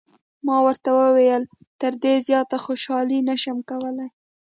ما ورته وویل: تر دې زیاته خوشحالي نه شم کولای.